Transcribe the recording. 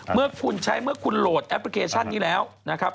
เมื่อคุณใช้เมื่อคุณโหลดแอปพลิเคชันนี้แล้วนะครับ